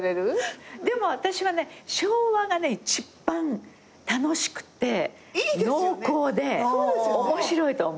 でも私はね昭和がね一番楽しくて濃厚で面白いと思う。